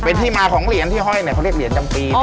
เป็นที่มาของเหรียญที่ห้อยเนี่ยเขาเรียกเหรียญจำปี